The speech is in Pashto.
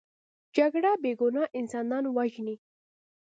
جګړه بې ګناه انسانان وژني